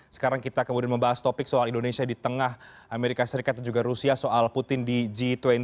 sekarang kita kemudian membahas topik soal indonesia di tengah amerika serikat dan juga rusia soal putin di g dua puluh